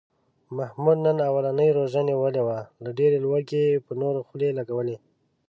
محمود نن اولنۍ روژه نیولې وه، له ډېرې لوږې یې په نورو خولې لږولې.